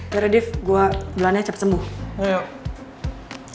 ya udah dif gue duluan aja cepet sembuh